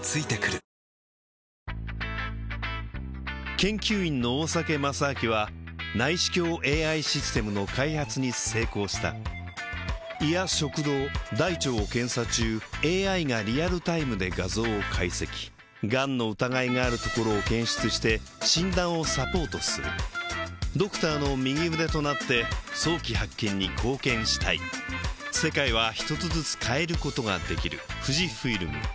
研究員の大酒正明は内視鏡ＡＩシステムの開発に成功した胃や食道大腸を検査中ＡＩがリアルタイムで画像を解析がんの疑いがあるところを検出して診断をサポートするドクターの右腕となって早期発見に貢献したいカチャ！